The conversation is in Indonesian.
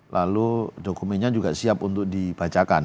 lalu dokumennya juga siap untuk dibacakan